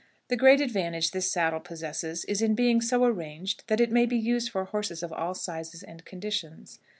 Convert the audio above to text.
The great advantage this saddle possesses is in being so arranged that it may be used for horses of all sizes and conditions.